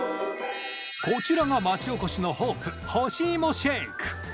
こちらが町おこしのホープ干し芋シェイク。